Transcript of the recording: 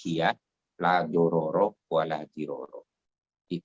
kita tidak boleh membahayakan diri kita